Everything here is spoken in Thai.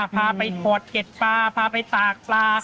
พาไปถอดเก็ดปลาพาไปตากปลา